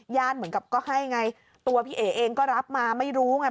เหมือนกับก็ให้ไงตัวพี่เอ๋เองก็รับมาไม่รู้ไง